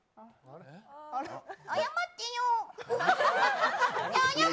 謝ってよぅ。